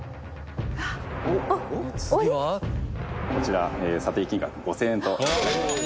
「こちら査定金額５０００円となります」